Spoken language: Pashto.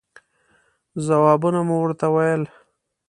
ځوابونه مې ورته وویل.